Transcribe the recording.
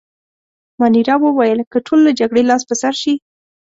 مانیرا وویل: که ټول له جګړې لاس په سر شي.